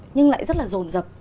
nhưng lại rất là rồn rập